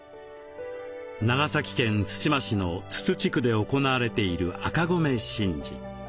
長崎県対馬市の豆酘地区で行われている「赤米神事」。